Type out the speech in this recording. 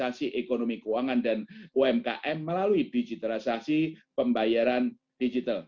transaksi ekonomi keuangan dan umkm melalui digitalisasi pembayaran digital